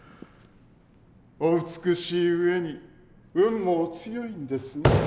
お美しい上に運もお強いんですね。